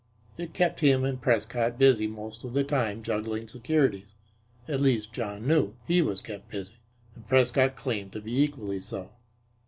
It kept him and Prescott busy most of the time juggling securities at least John knew he was kept busy, and Prescott claimed to be equally so.